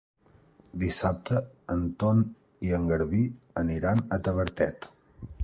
Dissabte en Ton i en Garbí aniran a Tavertet.